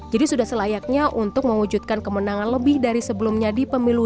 jadi sudah selayaknya untuk mewujudkan kemenangan lebih dari sebelumnya di pemilu dua ribu dua puluh empat